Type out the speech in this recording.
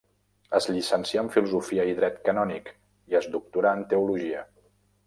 Es llicencià en filosofia i dret canònic, i es doctorà en teologia.